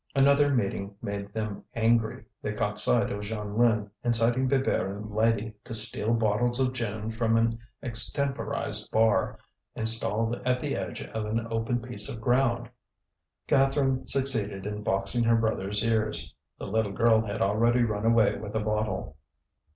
Another meeting made them angry; they caught sight of Jeanlin inciting Bébert and Lydie to steal bottles of gin from an extemporized bar installed at the edge of an open piece of ground. Catherine succeeded in boxing her brother's ears; the little girl had already run away with a bottle.